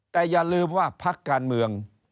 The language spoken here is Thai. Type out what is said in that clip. แต่อย่าลืมว่าพักการเมือง